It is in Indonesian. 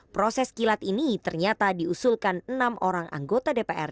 proses kilat ini ternyata diusulkan enam orang anggota dpr